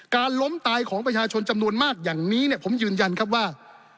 ล้มตายของประชาชนจำนวนมากอย่างนี้เนี่ยผมยืนยันครับว่า